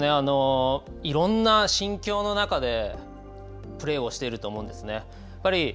いろんな心境の中でプレーをしていると思うんですね。